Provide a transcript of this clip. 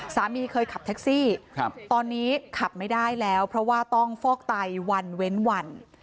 สามีเคยขับแท็กซี่ตอนนี้ขับไม่ได้แล้วเพราะว่าต้องฟอกไตวันเว้นวัน